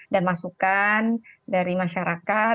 dan masukan dari masyarakat